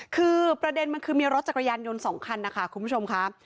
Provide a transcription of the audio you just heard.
คือประเด็นมันคือมีรถจักรยานยนต์๒คันนะคะคุณผู้ชมค่ะ